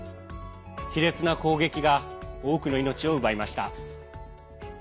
卑劣な攻撃が多くの命を奪いました。